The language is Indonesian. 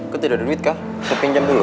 kok tidak ada duit kak gue pinjam dulu